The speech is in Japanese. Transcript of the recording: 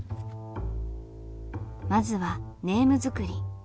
まずはネーム作り。